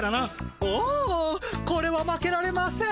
おおこれは負けられません。